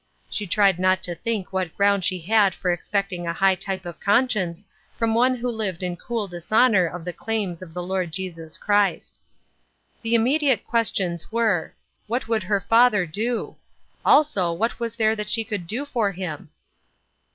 She tried not to think what ground she had for expecting a high type of conscience from one who lived in cool dishonor of the claims of the Lord Jesus Christ. The immediate questions were : What would her father do ? Also, what was there that she could do for him